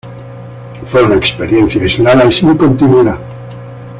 Fue una experiencia aislada y sin continuidad.